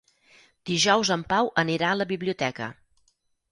Dijous en Pau anirà a la biblioteca.